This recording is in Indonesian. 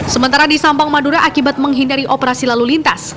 sementara di sampang madura akibat menghindari operasi lalu lintas